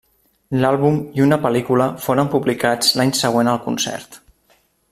L'àlbum i una pel·lícula foren publicats l'any següent al concert.